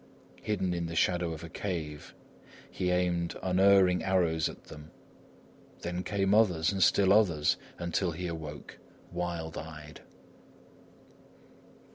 Hidden in the shadow of a cave, he aimed unerring arrows at them; then came others and still others, until he awoke, wild eyed.